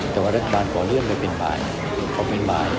แต่ว่ารัฐบาลขอเลื่อนไปเป็นบ่ายขอเป็นบ่าย